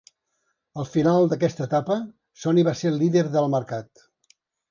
Al final d'aquesta etapa, Sony va ser líder del mercat.